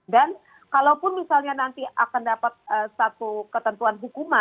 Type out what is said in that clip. dan kalaupun misalnya nanti akan dapat satu ketentuan